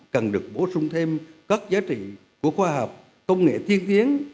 cần được bổ sung thêm các giá trị của khoa học công nghệ tiên tiến